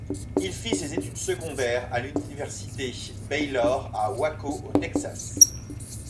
Il fit ses études secondaires à l'université Baylor à Waco au Texas.